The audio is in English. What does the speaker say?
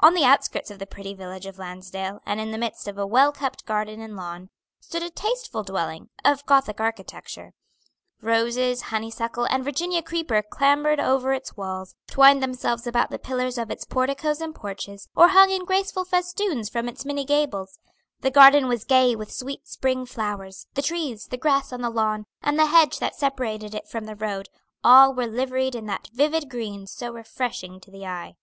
On the outskirts of the pretty village of Lansdale, and in the midst of a well kept garden and lawn, stood a tasteful dwelling, of Gothic architecture. Roses, honeysuckle, and Virginia creeper clambered over its walls, twined themselves about the pillars of its porticos and porches, or hung in graceful festoons from its many gables; the garden was gay with sweet spring flowers; the trees, the grass on the lawn, and the hedge that separated it from the road, all were liveried in that vivid green so refreshing to the eye.